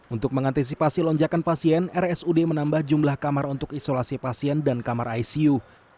untuk mengantisipasi lonjakan pasien rsud menambah jumlah kamar untuk isolasi pasien dan kamar icu